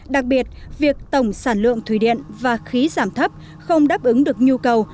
đặc biệt việc tổng sản lượng thủy điện và khí giảm thấp không đáp ứng được nhu cầu